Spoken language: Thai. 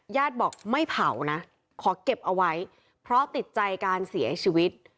ญาติบอกไม่เผานะขอเก็บเอาไว้เพราะติดใจการเสียชีวิต